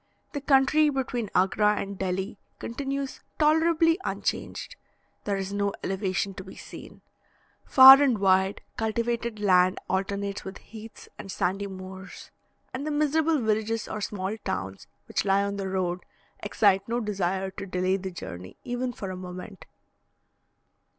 The country between Agra and Delhi continues tolerably unchanged; there is no elevation to be seen. Far and wide, cultivated land alternates with heaths and sandy moors, and the miserable villages or small towns which lie on the road, excite no desire to delay the journey even for a moment.